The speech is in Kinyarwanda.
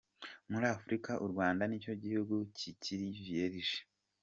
Muri Afurika u Rwanda nicyo gihugu kikiri vierge”.